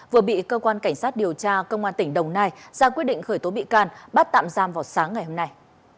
vừa bị cơ quan cảnh sát điều tra công an tỉnh đồng nai ra quyết định khởi tố bị can bắt tạm giam vào sáng ngày hôm nay